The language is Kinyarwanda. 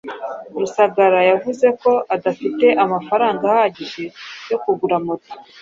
Rusagara yavuze ko adafite amafaranga ahagije yo kugura moto.